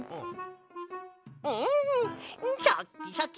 んシャッキシャキ！